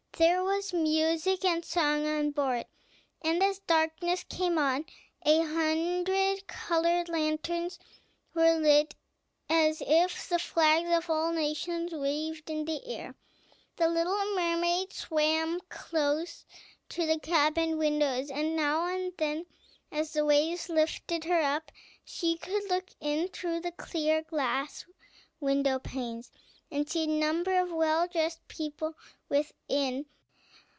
There was music and song on board; and, as darkness came on, a hundred colored lanterns were lighted, as if the flags of all nations waved in the air. The little mermaid swam close to the cabin windows; and now and then, as the waves lifted her up, she could look in through clear glass window panes, and see a number of well dressed people within.